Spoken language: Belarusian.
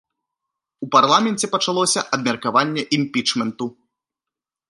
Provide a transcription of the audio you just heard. У парламенце пачалося абмеркаванне імпічменту.